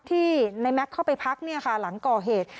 ที่ในแม็กซ์เข้าไปพักหลังก่อเหตุ